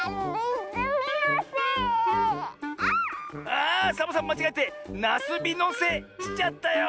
あサボさんまちがえて「なすびのせ」しちゃったよ！